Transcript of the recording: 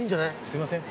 すみません。